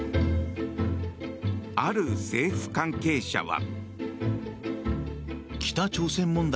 ある政府関係者は。